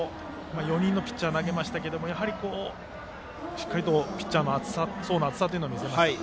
４人のピッチャーが投げましたがしっかりピッチャーの層の厚さを見せましたね。